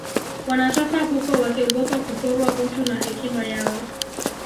wanatoka huko wakiogopa kuporwa utu na hekima yao